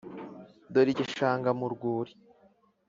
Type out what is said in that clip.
dore igishanga mu rwuri